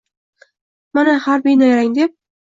Mana harbiy nayrang, deb